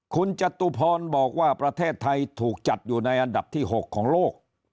คุณจตุพรบอกว่าประเทศไทยถูกจัดอยู่ในอันดับที่๖ของโลก